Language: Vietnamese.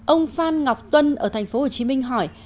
ông phan ngọc tuân ở tp hcm hỏi